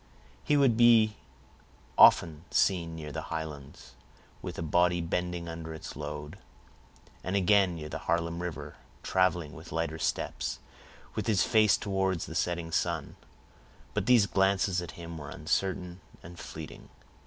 He would be often seen near the Highlands, with a body bending under its load; and again near the Harlem River, traveling with lighter steps, with his face towards the setting sun. But these glances at him were uncertain and fleeting.